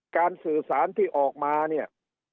สื่อสารที่ออกมาเนี่ย